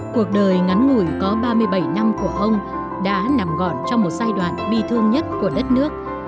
cuộc đời ngắn ngủi có ba mươi bảy năm của ông đã nằm gọn trong một giai đoạn bi thương nhất của đất nước